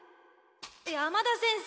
山田先生